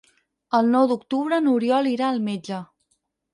El nou d'octubre n'Oriol irà al metge.